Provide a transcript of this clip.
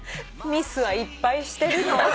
ミスはいっぱいしてるの。